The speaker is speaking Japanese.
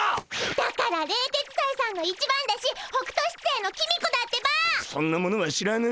だから冷徹斎さんの一番弟子北斗七星の公子だってば！そんな者は知らぬ。